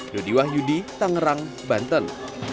dodi wahyudi tangerang banten